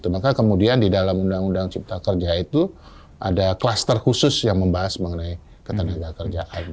maka kemudian di dalam undang undang cipta kerja itu ada kluster khusus yang membahas mengenai ketenaga kerjaan